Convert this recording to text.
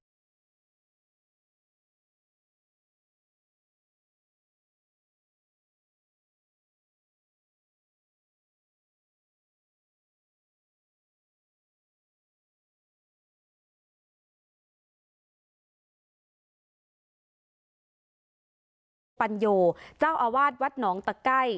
พระอุปกรณ์ปัญโยจะวอาวาสวัดหนองตะไก้